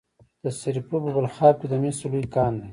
د سرپل په بلخاب کې د مسو لوی کان دی.